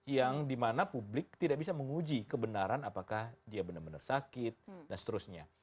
yang dimana publik tidak bisa menguji kebenaran apakah dia benar benar sakit dan seterusnya